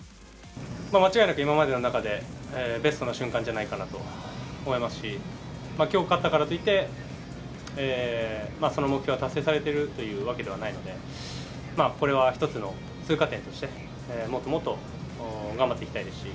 間違いなく今までの中でベストな瞬間じゃないかなと思いますし、きょう勝ったからといって、その目標が達成されてるというわけではないので、これは一つの通過点として、もっともっと頑張っていきたいですし。